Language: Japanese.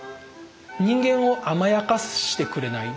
人間を甘やかしてくれない。